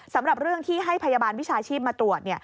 สำหรับเรื่องที่ให้พยาบาลวิชาชีพมาตรวจ